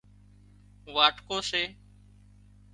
واٽڪو سي